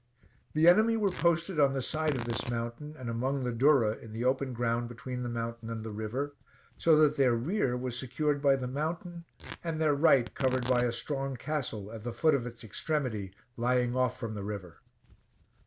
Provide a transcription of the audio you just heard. The enemy were posted on the side of this mountain and among the durra in the open ground between the mountain and the river; so that their rear was secured by the mountain, and their right covered by a strong castle at the foot of its extremity lying off from the river.